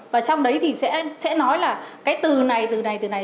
và trong đấy thì sẽ nói là cái từ này từ này từ này